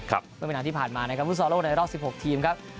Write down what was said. ครับก็เป็นหนังที่ผ่านมานะครับฟุตสอร์โลกในรอบ๑๖ทีมครับ